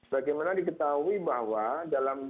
bagaimana diketahui bahwa dalam